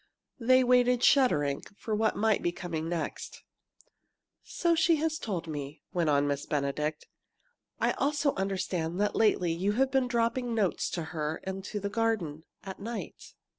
They waited, shuddering, for what might be coming next. "So she has told me," went on Miss Benedict. "I also understand that lately you have been dropping notes to her into the garden at night."